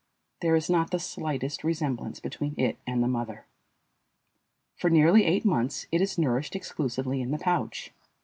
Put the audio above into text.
There is not the slightest resemblance between it and the mother. For nearly eight months it is nourished exclusively in the pouch.